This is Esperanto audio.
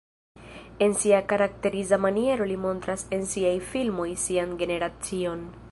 En sia karakteriza maniero li montras en siaj filmoj sian generacion.